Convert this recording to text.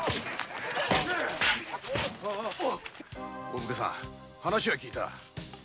お武家さん話は聞いた。